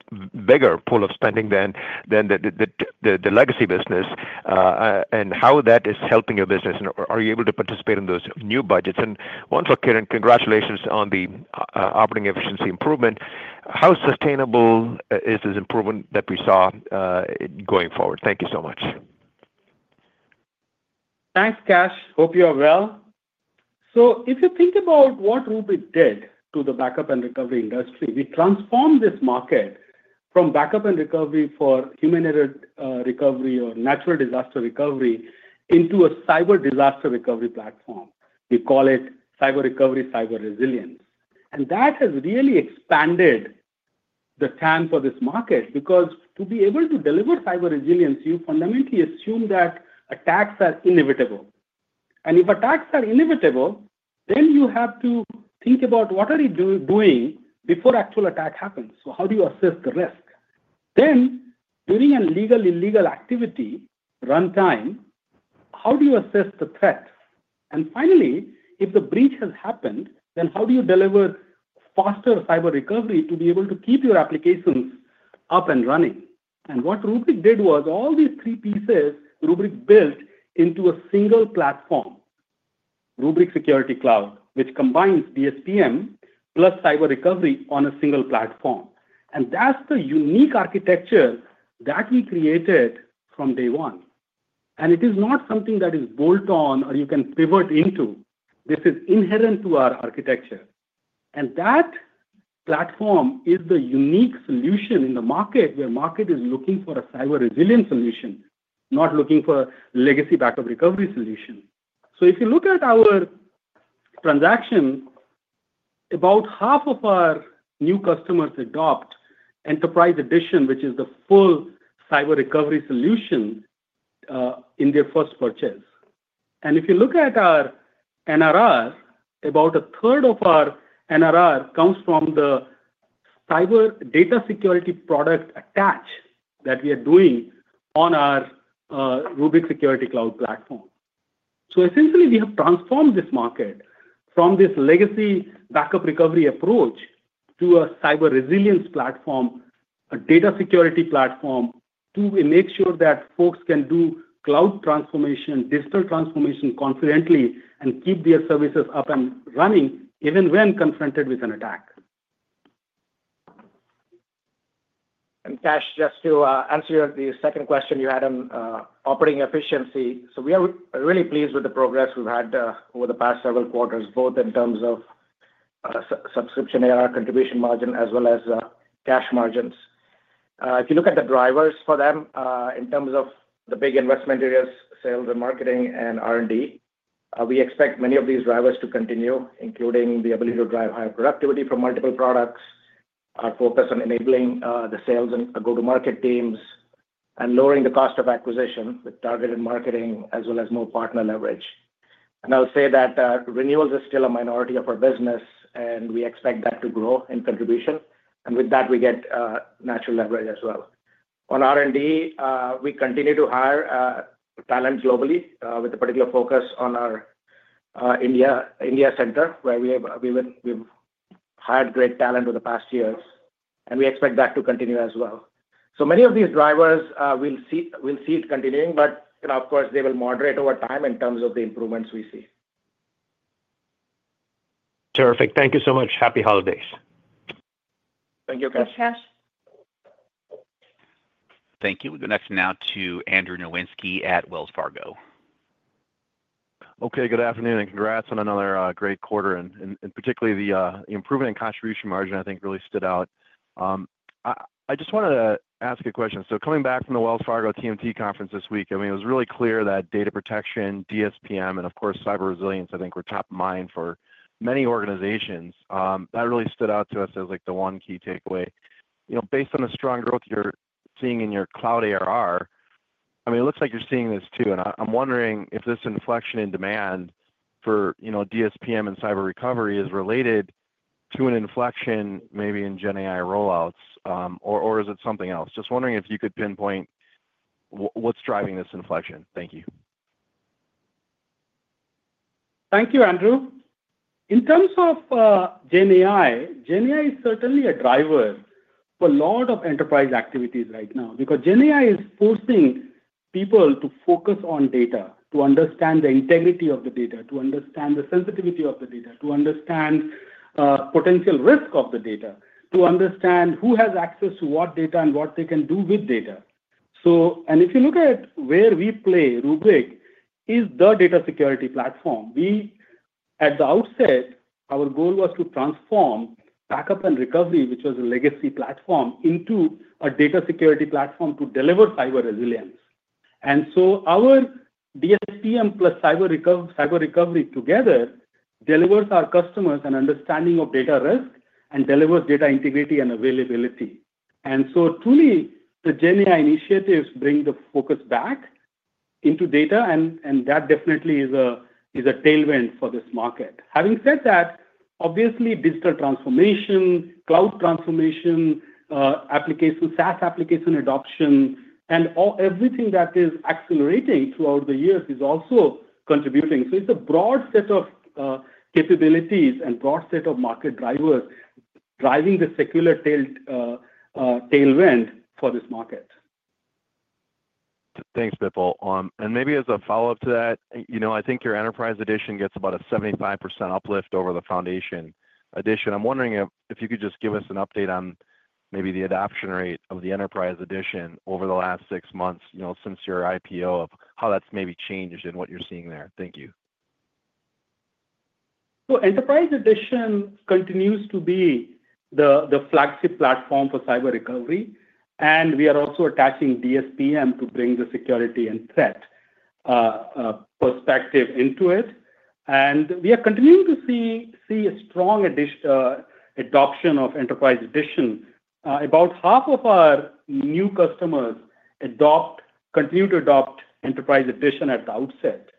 bigger pool of spending than the legacy business, and how that is helping your business? And are you able to participate in those new budgets? And one for Kiran, congratulations on the operating efficiency improvement. How sustainable is this improvement that we saw going forward? Thank you so much. Thanks, Kash. Hope you are well. So if you think about what Rubrik did to the backup and recovery industry, we transformed this market from backup and recovery for human error recovery or natural disaster recovery into a cyber disaster recovery platform. We call it cyber recovery, cyber resilience. And that has really expanded the TAM for this market because to be able to deliver cyber resilience, you fundamentally assume that attacks are inevitable. And if attacks are inevitable, then you have to think about what are you doing before actual attack happens. So how do you assess the risk? Then during a legitimate-illegitimate activity runtime, how do you assess the threat? And finally, if the breach has happened, then how do you deliver faster cyber recovery to be able to keep your applications up and running? What Rubrik did was all these three pieces Rubrik built into a single platform, Rubrik Security Cloud, which combines DSPM plus cyber recovery on a single platform. That's the unique architecture that we created from day one. It is not something that is bolt-on or you can pivot into. This is inherent to our architecture. That platform is the unique solution in the market where the market is looking for a cyber resilience solution, not looking for a legacy backup recovery solution. If you look at our traction, about half of our new customers adopt Enterprise Edition, which is the full cyber recovery solution in their first purchase. If you look at our NRR, about a third of our NRR comes from the cyber data security product attach that we are doing on our Rubrik Security Cloud platform. So essentially, we have transformed this market from this legacy backup recovery approach to a cyber resilience platform, a data security platform, to make sure that folks can do cloud transformation, digital transformation confidently, and keep their services up and running even when confronted with an attack. And Kash, just to answer your second question, you had an operating efficiency. So we are really pleased with the progress we've had over the past several quarters, both in terms of subscription ARR contribution margin as well as cash margins. If you look at the drivers for them in terms of the big investment areas, sales, and marketing, and R&D, we expect many of these drivers to continue, including the ability to drive higher productivity from multiple products, our focus on enabling the sales and go-to-market teams, and lowering the cost of acquisition with targeted marketing as well as more partner leverage. I'll say that renewals are still a minority of our business, and we expect that to grow in contribution. With that, we get natural leverage as well. On R&D, we continue to hire talent globally with a particular focus on our India center, where we've hired great talent over the past years. We expect that to continue as well. So many of these drivers we'll see it continuing, but of course, they will moderate over time in terms of the improvements we see. Terrific. Thank you so much. Happy holidays. Thank you, Kash. Thank you. We go next now to Andrew Nowinski at Wells Fargo. Okay. Good afternoon and congrats on another great quarter. Particularly, the improvement in contribution margin, I think, really stood out. I just wanted to ask a question. So coming back from the Wells Fargo TMT conference this week, I mean, it was really clear that data protection, DSPM, and of course, cyber resilience, I think, were top of mind for many organizations. That really stood out to us as the one key takeaway. Based on the strong growth you're seeing in your cloud ARR, I mean, it looks like you're seeing this too. And I'm wondering if this inflection in demand for DSPM and cyber recovery is related to an inflection maybe in GenAI rollouts, or is it something else? Just wondering if you could pinpoint what's driving this inflection. Thank you. Thank you, Andrew. In terms of GenAI, GenAI is certainly a driver for a lot of enterprise activities right now because GenAI is forcing people to focus on data, to understand the integrity of the data, to understand the sensitivity of the data, to understand potential risk of the data, to understand who has access to what data and what they can do with data, and if you look at where we play, Rubrik is the data security platform. At the outset, our goal was to transform backup and recovery, which was a legacy platform, into a data security platform to deliver cyber resilience, and so our DSPM plus cyber recovery together delivers our customers an understanding of data risk and delivers data integrity and availability, and so truly, the GenAI initiatives bring the focus back into data, and that definitely is a tailwind for this market. Having said that, obviously, digital transformation, cloud transformation, application SaaS application adoption, and everything that is accelerating throughout the years is also contributing. So it's a broad set of capabilities and broad set of market drivers driving the secular tailwind for this market. Thanks, Bipul, and maybe as a follow-up to that, I think your Enterprise Edition gets about a 75% uplift over the Foundation Edition. I'm wondering if you could just give us an update on maybe the adoption rate of the Enterprise Edition over the last six months since your IPO of how that's maybe changed and what you're seeing there. Thank you, so Enterprise Edition continues to be the flagship platform for cyber recovery. And we are also attaching DSPM to bring the security and threat perspective into it. And we are continuing to see a strong adoption of Enterprise Edition. About half of our new customers continue to adopt Enterprise Edition at the outset,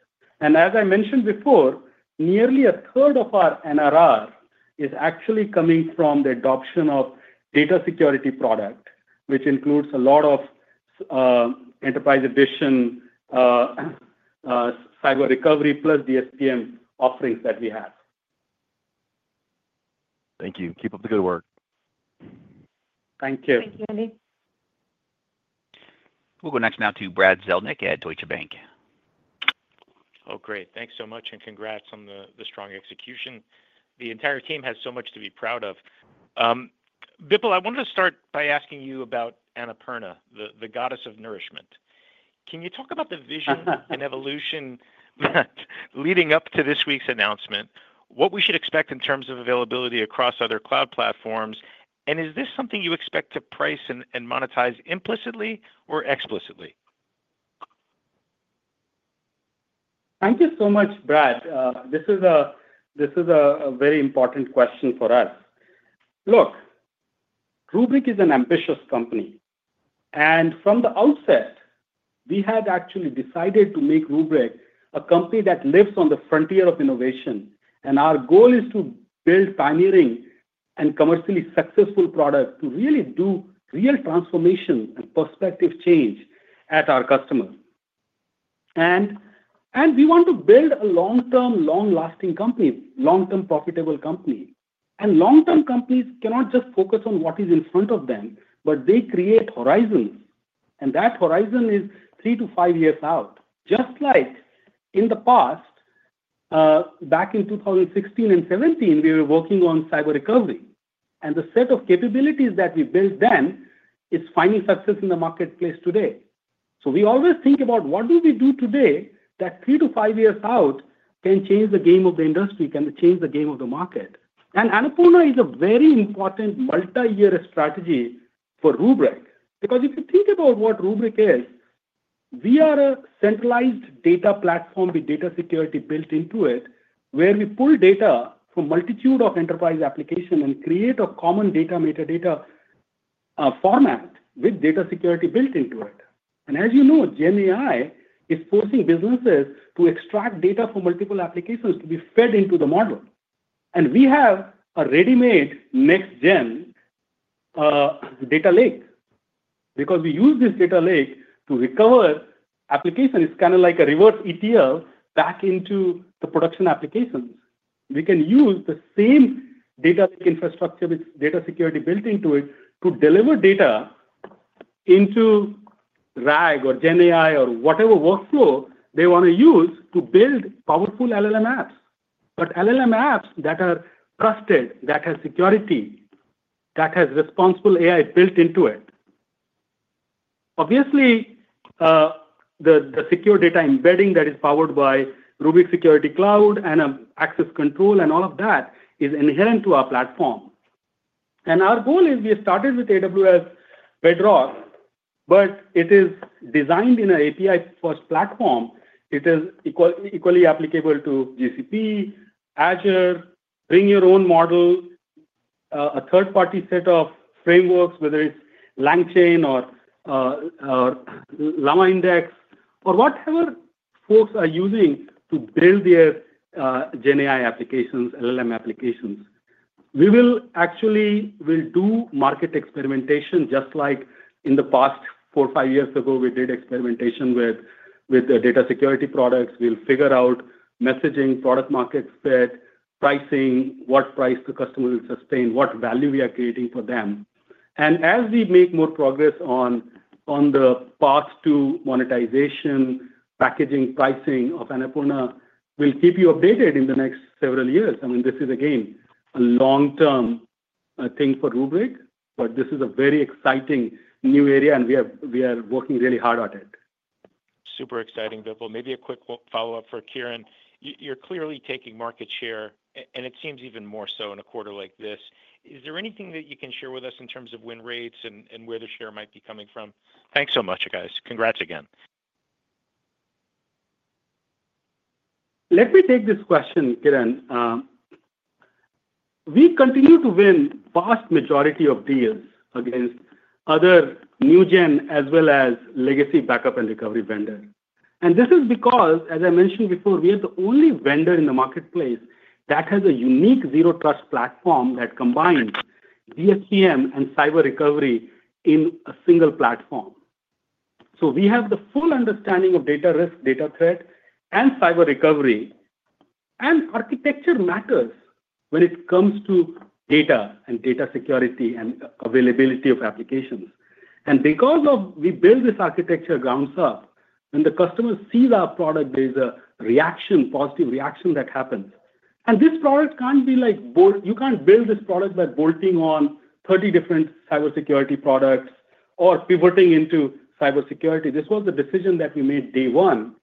and as I mentioned before, nearly a third of our NRR is actually coming from the adoption of data security product, which includes a lot of Enterprise Edition cyber recovery plus DSPM offerings that we have. Thank you. Keep up the good work. Thank you. Thank you, Andy. We'll go next now to Brad Zelnick at Deutsche Bank. Oh, great. Thanks so much and congrats on the strong execution. The entire team has so much to be proud of. Bipul, I wanted to start by asking you about Annapurna, the goddess of nourishment. Can you talk about the vision and evolution leading up to this week's announcement, what we should expect in terms of availability across other cloud platforms, and is this something you expect to price and monetize implicitly or explicitly? Thank you so much, Brad. This is a very important question for us. Look, Rubrik is an ambitious company. And from the outset, we had actually decided to make Rubrik a company that lives on the frontier of innovation. And our goal is to build pioneering and commercially successful products to really do real transformation and perspective change at our customers. And we want to build a long-term, long-lasting company, long-term profitable company. And long-term companies cannot just focus on what is in front of them, but they create horizons. And that horizon is three to five years out. Just like in the past, back in 2016 and 2017, we were working on cyber recovery. And the set of capabilities that we built then is finding success in the marketplace today. We always think about what do we do today that three-to-five years out can change the game of the industry, can change the game of the market. And Annapurna is a very important multi-year strategy for Rubrik because if you think about what Rubrik is, we are a centralized data platform with data security built into it, where we pull data from a multitude of enterprise applications and create a common data metadata format with data security built into it. And as you know, GenAI is forcing businesses to extract data from multiple applications to be fed into the model. And we have a ready-made next-gen data lake because we use this data lake to recover applications. It's kind of like a reverse ETL back into the production applications. We can use the same data lake infrastructure with data security built into it to deliver data into RAG or GenAI or whatever workflow they want to use to build powerful LLM apps, but LLM apps that are trusted, that have security, that have responsible AI built into it. Obviously, the secure data embedding that is powered by Rubrik Security Cloud and access control and all of that is inherent to our platform, and our goal is we started with AWS Bedrock, but it is designed in an API-first platform. It is equally applicable to GCP, Azure, bring your own model, a third-party set of frameworks, whether it's LangChain or LlamaIndex or whatever folks are using to build their GenAI applications, LLM applications. We will actually do market experimentation just like in the past four or five years ago. We did experimentation with data security products. We'll figure out messaging, product-market fit, pricing, what price the customer will sustain, what value we are creating for them, and as we make more progress on the path to monetization, packaging, pricing of Annapurna, we'll keep you updated in the next several years. I mean, this is, again, a long-term thing for Rubrik, but this is a very exciting new area, and we are working really hard at it. Super exciting, Bipul. Maybe a quick follow-up for Kiran. You're clearly taking market share, and it seems even more so in a quarter like this. Is there anything that you can share with us in terms of win rates and where the share might be coming from? Thanks so much, guys. Congrats again. Let me take this question, Kiran. We continue to win vast majority of deals against other new-gen as well as legacy backup and recovery vendors. This is because, as I mentioned before, we are the only vendor in the marketplace that has a unique zero-trust platform that combines DSPM and cyber recovery in a single platform. We have the full understanding of data risk, data threat, and cyber recovery. Architecture matters when it comes to data and data security and availability of applications. Because we build this architecture from the ground up, when the customer sees our product, there's a reaction, positive reaction that happens. This product can't be like you can't build this product by bolting on 30 different cybersecurity products or pivoting into cybersecurity. This was the decision that we made day one,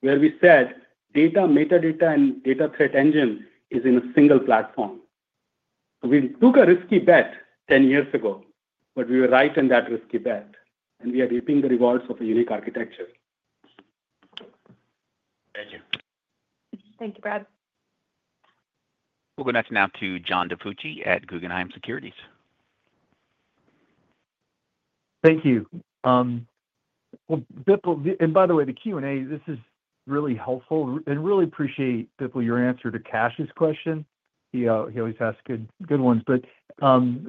where we said data, metadata, and data threat engine is in a single platform. We took a risky bet 10 years ago, but we were right in that risky bet, and we are reaping the rewards of a unique architecture. Thank you. Thank you, Brad. We'll go next now to John DiFucci at Guggenheim Securities. Thank you. And by the way, the Q&A, this is really helpful. And really appreciate, Bipul, your answer to Kash's question. He always asks good ones. But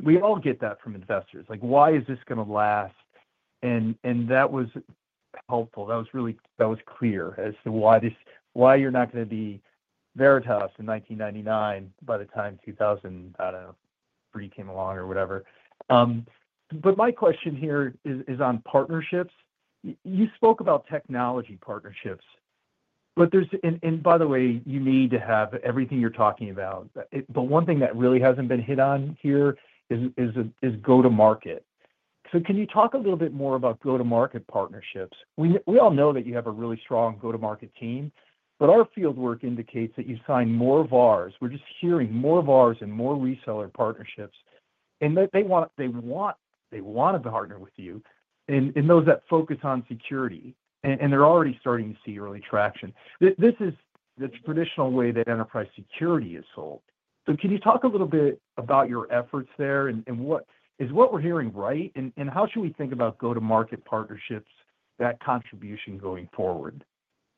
we all get that from investors. Why is this going to last? And that was helpful. That was clear as to why you're not going to be Veritas in 1999 by the time 2000, I don't know, 3 came along or whatever. But my question here is on partnerships. You spoke about technology partnerships. And by the way, you need to have everything you're talking about. But one thing that really hasn't been hit on here is go-to-market. So can you talk a little bit more about go-to-market partnerships? We all know that you have a really strong go-to-market team, but our fieldwork indicates that you've signed more VARs. We're just hearing more VARs and more reseller partnerships. And they want to partner with you in those that focus on security. And they're already starting to see early traction. This is the traditional way that enterprise security is sold. So can you talk a little bit about your efforts there? And is what we're hearing right? And how should we think about go-to-market partnerships, that contribution going forward?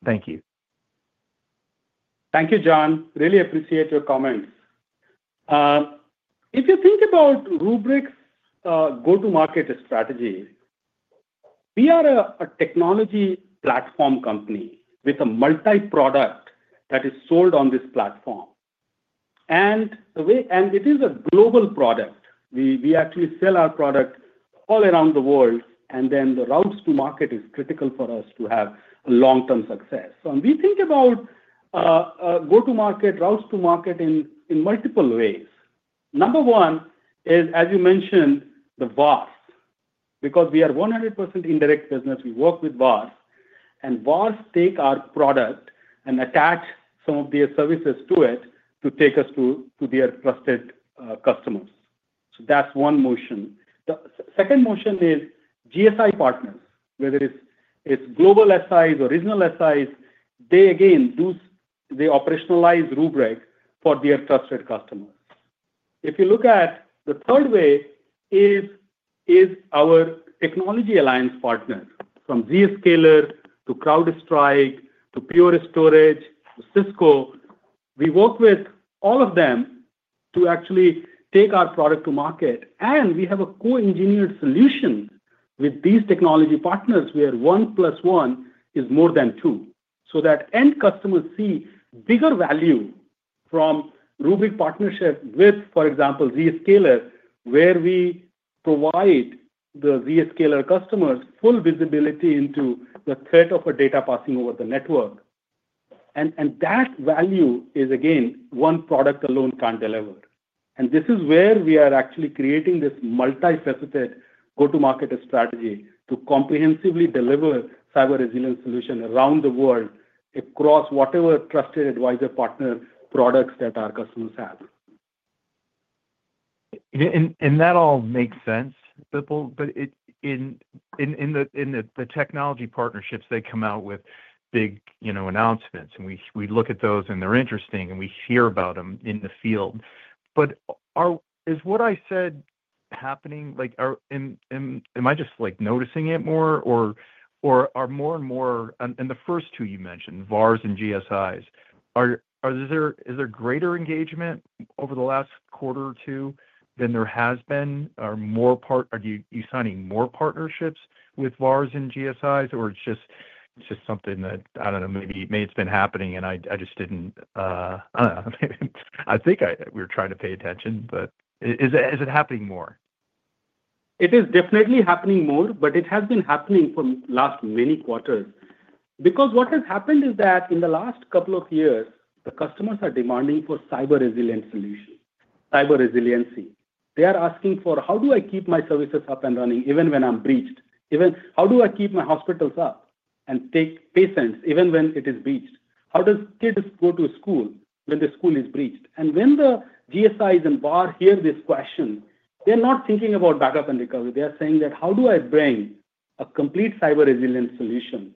Thank you. Thank you, John. Really appreciate your comments. If you think about Rubrik's go-to-market strategy, we are a technology platform company with a multi-product that is sold on this platform. And it is a global product. We actually sell our product all around the world. And then the routes to market is critical for us to have long-term success. So we think about go-to-market, routes to market in multiple ways. Number one is, as you mentioned, the VARs. Because we are 100% indirect business, we work with VARs. And VARs take our product and attach some of their services to it to take us to their trusted customers. So that's one motion. The second motion is GSI partners, whether it's global SIs or regional SIs, they, again, do the operationalized Rubrik for their trusted customers. If you look at the third way is our technology alliance partners from Zscaler to CrowdStrike to Pure Storage to Cisco. We work with all of them to actually take our product to market. And we have a co-engineered solution with these technology partners where one plus one is more than two. So that end customers see bigger value from Rubrik partnership with, for example, Zscaler, where we provide the Zscaler customers full visibility into the threat of a data passing over the network. And that value is, again, one product alone can't deliver. And this is where we are actually creating this multi-faceted go-to-market strategy to comprehensively deliver cyber resilience solutions around the world across whatever trusted advisor partner products that our customers have. And that all makes sense, Bipul, but in the technology partnerships, they come out with big announcements. And we look at those, and they're interesting, and we hear about them in the field. But is what I said happening? Am I just noticing it more? Or are more and more in the first two you mentioned, VARs and GSIs, is there greater engagement over the last quarter or two than there has been? Are you signing more partnerships with VARs and GSIs, or it's just something that, I don't know, maybe it's been happening and I just didn't, I don't know. I think we're trying to pay attention, but is it happening more? It is definitely happening more, but it has been happening for the last many quarters. Because what has happened is that in the last couple of years, the customers are demanding for cyber resilience solutions, cyber resiliency. They are asking for, "How do I keep my services up and running even when I'm breached? How do I keep my hospitals up and take patients even when it is breached? How do kids go to school when the school is breached?" And when the GSIs and VARs hear this question, they're not thinking about backup and recovery. They're saying that, "How do I bring a complete cyber resilience solution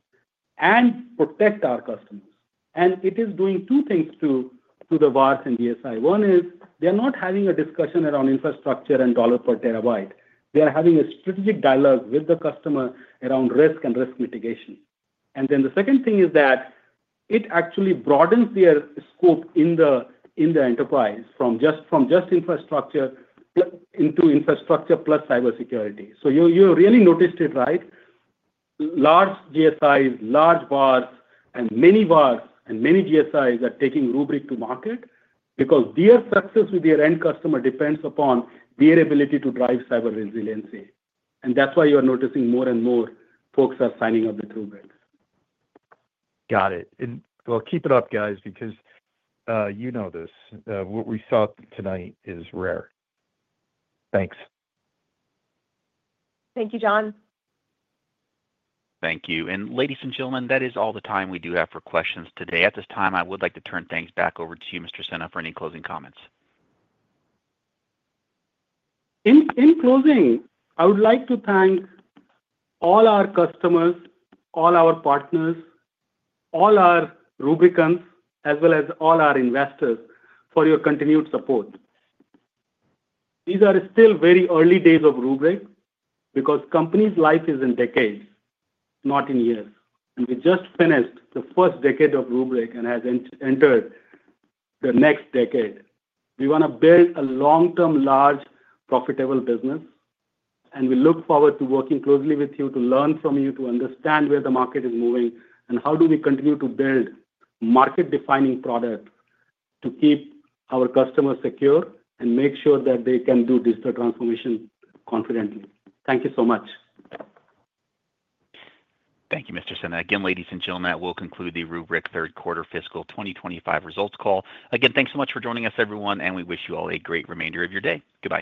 and protect our customers?" And it is doing two things to the VARs and GSI. One is they're not having a discussion around infrastructure and dollar per terabyte. They're having a strategic dialogue with the customer around risk and risk mitigation. And then the second thing is that it actually broadens their scope in the enterprise from just infrastructure into infrastructure plus cybersecurity. So you really noticed it, right? Large GSIs, large VARs, and many VARs and many GSIs are taking Rubrik to market because their success with their end customer depends upon their ability to drive cyber resiliency. And that's why you're noticing more and more folks are signing up with Rubrik. Got it, and, well, keep it up, guys, because you know this. What we saw tonight is rare. Thanks. Thank you, John. Thank you. Ladies and gentlemen, that is all the time we do have for questions today. At this time, I would like to turn things back over to you, Mr. Sinha, for any closing comments. In closing, I would like to thank all our customers, all our partners, all our Rubrikans, as well as all our investors for your continued support. These are still very early days of Rubrik because a company's life is in decades, not in years. We just finished the first decade of Rubrik and have entered the next decade. We want to build a long-term, large, profitable business. We look forward to working closely with you to learn from you, to understand where the market is moving, and how do we continue to build market-defining products to keep our customers secure and make sure that they can do digital transformation confidently. Thank you so much. Thank you, Mr. Sinha. Again, ladies and gentlemen, that will conclude the Rubrik third-quarter fiscal 2025 results call. Again, thanks so much for joining us, everyone, and we wish you all a great remainder of your day. Goodbye.